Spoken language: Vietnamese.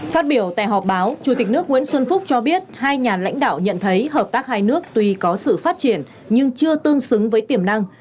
phát biểu tại họp báo chủ tịch nước nguyễn xuân phúc cho biết hai nhà lãnh đạo nhận thấy hợp tác hai nước tuy có sự phát triển nhưng chưa tương xứng với tiềm năng